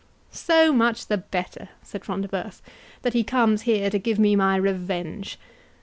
"So much the better," said Front de Bœuf, "that he comes here to give me my revenge.